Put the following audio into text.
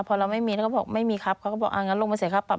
พอเราไม่มีเราก็บอกไม่มีครับเขาก็บอกอ่างั้นลงมาเสียค่าปรับ